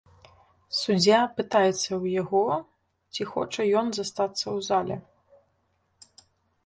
Суддзя пытаецца ў яго, ці хоча ён застацца ў зале.